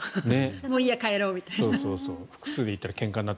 もう帰ろうみたいな。